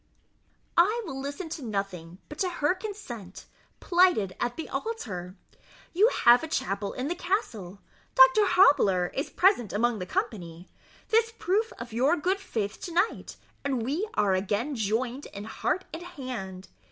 "I will listen to nothing but to her consent, plighted at the altar. You have a chapel in the castle Doctor Hobbler is present among the company this proof of your good faith to night, and we are again joined in heart and hand.